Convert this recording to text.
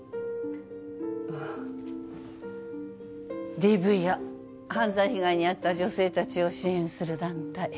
ＤＶや犯罪被害に遭った女性たちを支援する団体。